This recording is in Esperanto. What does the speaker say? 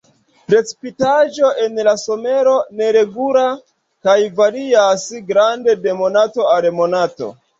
Precipitaĵo en la somero neregula kaj varias grande de monato al monato.